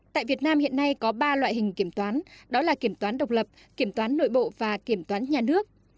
tại việt nam hiện nay có ba loại hình kiểm toán đó là kiểm toán độc lập kiểm toán nội bộ và kiểm toán nhà nước